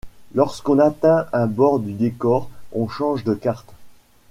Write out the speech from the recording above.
Lorsqu'on atteint un bord du décor, on change de carte.